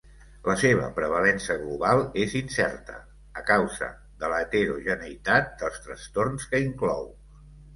La seva prevalença global és incerta, a causa de l'heterogeneïtat dels trastorns que inclou.